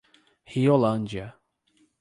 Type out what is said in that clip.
Riolândia